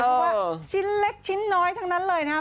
เพราะว่าชิ้นเล็กชิ้นน้อยทั้งนั้นเลยนะครับ